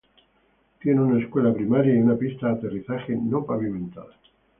Tiene una escuela primaria y una pista de aterrizaje no pavimentada.